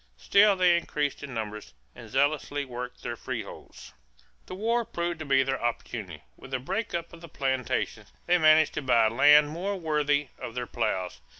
Still they increased in numbers and zealously worked their freeholds. The war proved to be their opportunity. With the break up of the plantations, they managed to buy land more worthy of their plows.